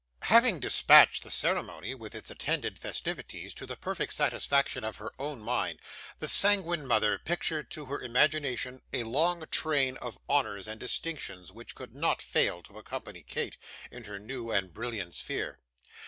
Having dispatched the ceremony, with its attendant festivities, to the perfect satisfaction of her own mind, the sanguine mother pictured to her imagination a long train of honours and distinctions which could not fail to accompany Kate in her new and brilliant sphere.